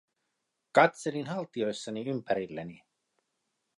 Katselin haltioissani ympärilleni.